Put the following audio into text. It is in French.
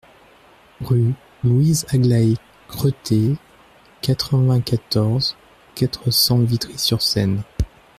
Rue Louise-Aglaë Cretté, quatre-vingt-quatorze, quatre cents Vitry-sur-Seine